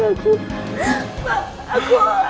aku hampir luar